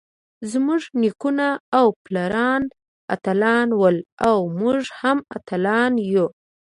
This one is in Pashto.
زمونږ نيکونه او پلاران اتلان ول اؤ مونږ هم اتلان يو.